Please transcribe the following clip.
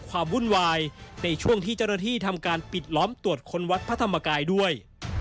วุ่นวายในช่วงที่เจ้าหน้าที่ทำการปิดล้อมตรวจคนวัดพระธรรมกายด้วย